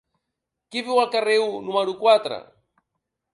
Qui viu al carrer U número quatre?